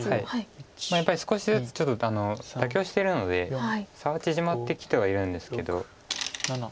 やっぱり少しずつちょっと妥協してるので差は縮まってきてはいるんですけど。